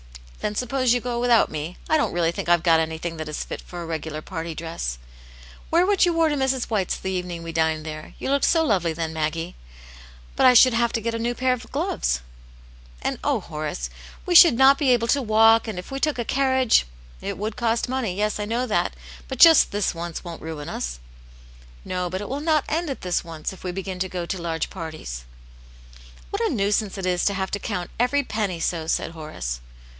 "Then suppose you go without me? I don't really think IVe got anything that is fit for a regular party dress." " Wear what you wore to Mrs. White's the even ing we dined there. You looked so lovely then, Maggie." ''^ut 1 5/jouid have to §et a ^avt q^ wi ^ ^w^^\ 130 Aunt jane's Hero, and oh, Horace! we should not be able tovvalk, and If we took a carriage " '•It would cost money. Yes, I know that, but just this once won't ruin us." " No, but it v/ill not end at this once, if we begin to go to large parties." "What a nuisance it is to have to count every penny so !" said Horace.